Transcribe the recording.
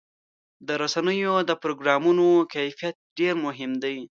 د رسنیو د پروګرامونو کیفیت ډېر مهم دی.